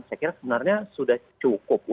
saya kira sebenarnya sudah cukup